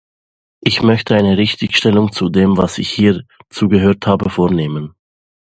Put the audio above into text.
Ich möchte eine Richtigstellung zu dem, was ich hierzu gehört habe, vornehmen.